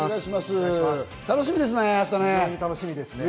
明日楽しみですね。